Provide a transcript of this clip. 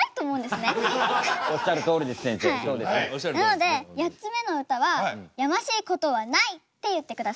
なので８つ目の歌は「やましいことはない」って言ってください。